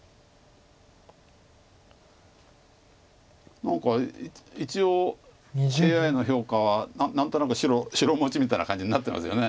何か一応ＡＩの評価は何となく白持ちみたいな感じになってますよね。